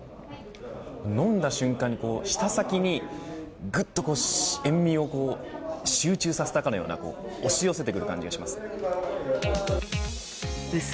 飲んだ瞬間に舌先にぐっと塩味を集中させたかのような押し寄せてくるような感じがします。